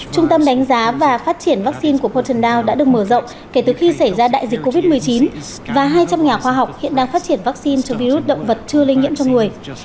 trung tâm đánh giá và phát triển vaccine của portendao đã được mở rộng kể từ khi xảy ra đại dịch covid một mươi chín và hai trăm linh nhà khoa học hiện đang phát triển vaccine cho virus động vật chưa linh nhiễm trong người